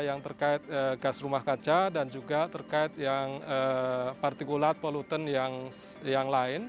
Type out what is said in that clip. yang terkait gas rumah kaca dan juga terkait yang partikulat poluten yang lain